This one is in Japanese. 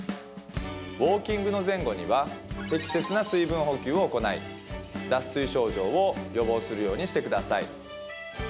ウォーキングの前後には適切な水分補給を行い脱水症状を予防するようにしてください。